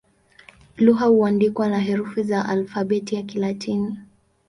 Lugha huandikwa na herufi za Alfabeti ya Kilatini.